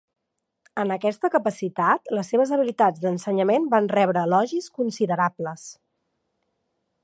En aquesta capacitat, les seves habilitats d'ensenyament van rebre elogis considerables.